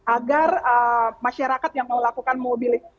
agar masyarakat yang melakukan mobilitas